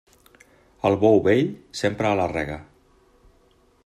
El bou vell, sempre a la rega.